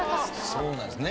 そうなんですね。